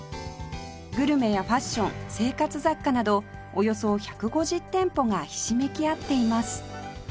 グルメやファッション生活雑貨などおよそ１５０店舗がひしめき合っています